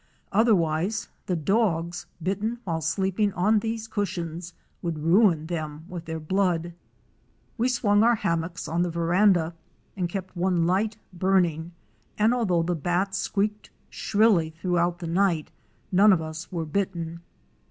Otherwise, the dogs, bitten while sleeping on these cushions, would ruin them with their blood. We swung our hammocks on the veranda and kept one light burning, and although the bats squeaked shrilly throughout the night, none of us were bitten.